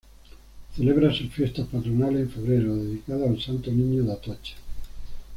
Celebra sus fiestas patronales en febrero, dedicadas al Santo Niño de Atocha.